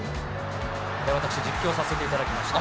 私、実況させていただきました。